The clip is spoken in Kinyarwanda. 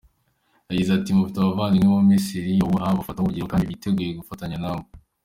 Yagize ati “Mufite abavandimwe mu Misiri babubaha, babafataho urugero, kandi biteguye gufatanya namwe.